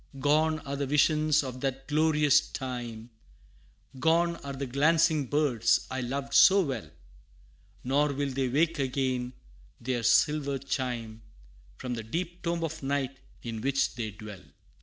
Gone are the visions of that glorious time Gone are the glancing birds I loved so well, Nor will they wake again their silver chime, From the deep tomb of night in which they dwell!